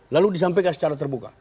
lalu disampaikan secara terbuka